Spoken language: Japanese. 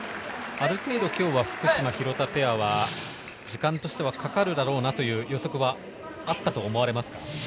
ある程度、今日は福島・廣田ペアは時間としてはかかるだろうなという予測はあったと思われますか？